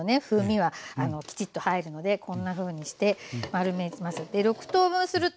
風味はきちっと入るのでこんなふうにして丸めます。